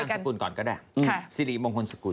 พูดนางสกุลก่อนก็ได้ซีรีต์องค์คนสกุล